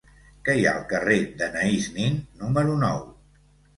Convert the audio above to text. Què hi ha al carrer d'Anaïs Nin número nou?